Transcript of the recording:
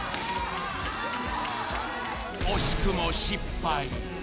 惜しくも失敗。